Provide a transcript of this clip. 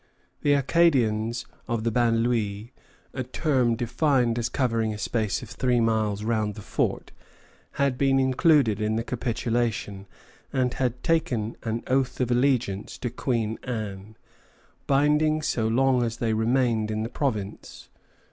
The Acadians of the banlieue a term defined as covering a space of three miles round the fort had been included in the capitulation, and had taken an oath of allegiance to Queen Anne, binding so long as they remained in the province.